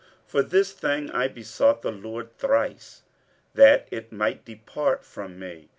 47:012:008 For this thing I besought the Lord thrice, that it might depart from me.